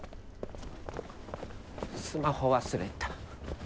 スマホ忘れた。